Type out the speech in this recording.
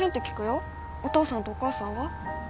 お父さんとお母さんは？